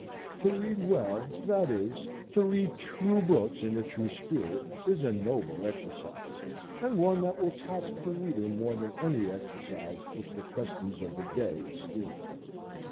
To read well, that is, to read true books in a true spirit, is a noble exercise, and one that will task the reader more than any exercise which the customs of the day esteem.